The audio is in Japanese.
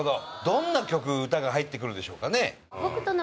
どんな曲、歌が入ってくるでしょうかね？